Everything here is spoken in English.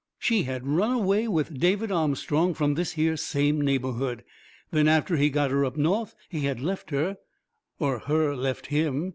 She had run away with David Armstrong from this here same neighbourhood. Then after he got her up North he had left her or her left him.